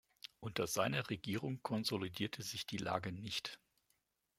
Unter seiner Regierung konsolidierte sich die Lage nicht.